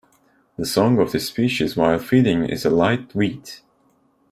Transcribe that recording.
The song of this species while feeding is a light "weet".